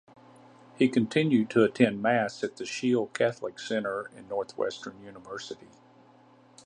He continues to attend Mass at the Sheil Catholic Center in Northwestern University.